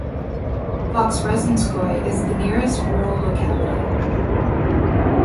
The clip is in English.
Voskresenskoye is the nearest rural locality.